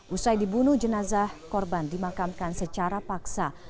usai dibunuh jenazah korban dimakamkan secara paksa